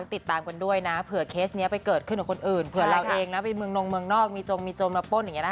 ติดตามกันด้วยนะเผื่อเคสนี้ไปเกิดขึ้นกับคนอื่นเผื่อเราเองนะไปเมืองนงเมืองนอกมีจงมีโจรมาป้นอย่างนี้นะ